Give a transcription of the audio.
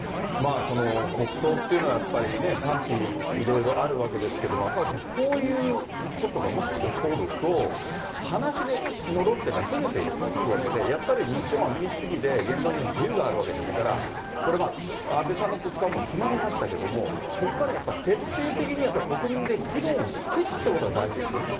国葬っていうのはやっぱりね、賛否、いろいろあるわけですけれども、赤星さん、こういうことがもし起こると、話の論点がずれていくわけで、やっぱり日本は民主主義で言論の自由があるわけですから、これ、安倍さんの国葬はもう決まりましたけども、ここからはやっぱ、徹底的に国民で議論を尽くすっていうことが大事ですよね。